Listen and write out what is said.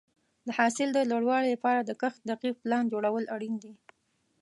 د حاصل د لوړوالي لپاره د کښت دقیق پلان جوړول اړین دي.